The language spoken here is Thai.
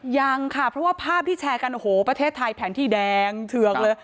ยังค่ะเพราะว่าภาพที่แชร์กันโอ้โหประเทศไทยแผนที่แดงเถืองเลย